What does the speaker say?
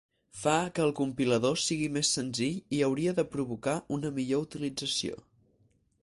Fa que el compilador sigui més senzill i hauria de provocar una millor utilització.